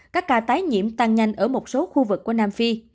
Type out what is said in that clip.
các ca tái nhiễm tăng nhanh ở một số khu vực của nam phi